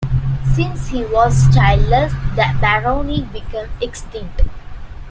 Since he was childless, the barony became extinct.